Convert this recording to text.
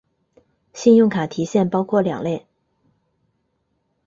信用卡提现包括两类。